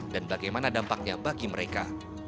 dan bagaimana dampaknya bagi mereka